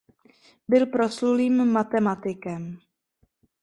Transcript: Byl proslulým matematikem.